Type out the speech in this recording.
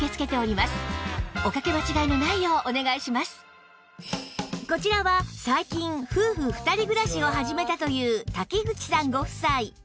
さらにこちらは最近夫婦２人暮らしを始めたという瀧口さんご夫妻